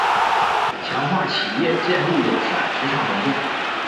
强化企业建立友善职场环境